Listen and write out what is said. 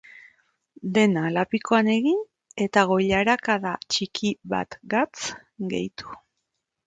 Dena lapikoan egin, eta goilarakada txiki at gatz gehitu.